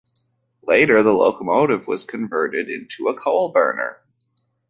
Later the locomotive was converted into a coal-burner.